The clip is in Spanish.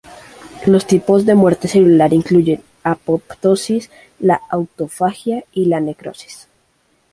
Los tipos de muerte celular incluyen la apoptosis, la autofagia y la necrosis.